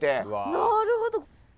なるほど。